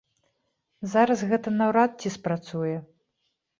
Зараз гэта наўрад ці спрацуе.